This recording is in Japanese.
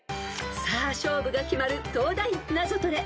［さあ勝負が決まる東大ナゾトレ］